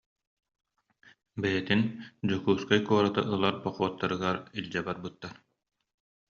Бэйэтин «Дьокуускай куораты ылар похуоттарыгар» илдьэ барбыттар